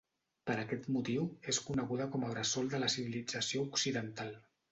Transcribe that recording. Per aquest motiu, és coneguda com a bressol de la civilització occidental.